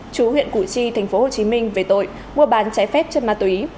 chú huyện củ chi tp hcm về tội mua bán trái phép chất ma túy